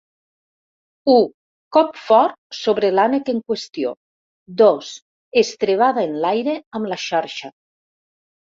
U, cop fort sobre l'ànec en qüestió; dos, estrebada enlaire amb la xarxa.